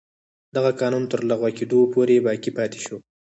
دغه قانون تر لغوه کېدو پورې باقي پاتې شو.